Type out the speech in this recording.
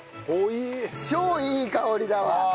超いい香りだわ。